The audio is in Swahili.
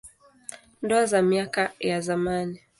Ndoa za miaka ya zamani.